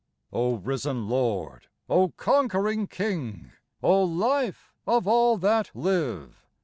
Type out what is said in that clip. O risen Lord ! O conquering King ! O Life of all that live